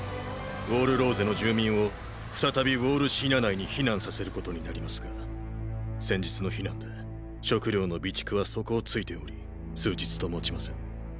ウォール・ローゼの住民を再びウォール・シーナ内に避難させることになりますが先日の避難で食糧の備蓄は底をついており数日ともちません。